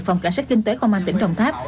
phòng cảnh sát kinh tế công an tỉnh đồng tháp